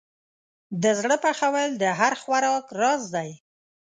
له زړه پخول د هر خوراک راز دی.